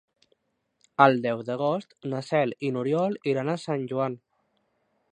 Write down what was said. El deu d'agost na Cel i n'Oriol iran a Sant Joan.